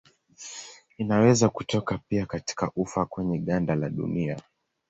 Inaweza kutoka pia katika ufa kwenye ganda la dunia.